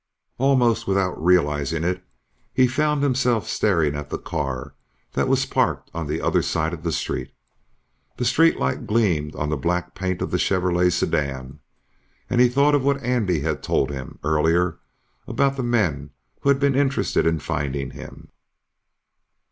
Almost without realizing it, he found himself staring at the car that was parked on the other side of the street. The streetlight gleamed on the black paint of the Chevrolet sedan and he thought of what Andy had told him earlier about the men who had been interested in finding him.